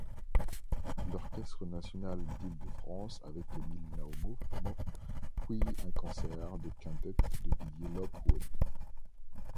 L'Orchestre national d'Île-de-France avec Émile Naoumoff, puis un concert du Quintett de Didier Lockwood.